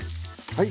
はい！